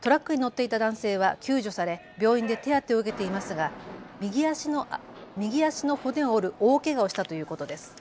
トラックに乗っていた男性は救助され病院で手当てを受けていますが右足の骨を折る大けがをしたということです。